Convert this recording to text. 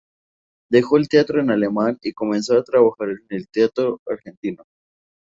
Dejó el teatro en alemán y comenzó a trabajar en el teatro argentino.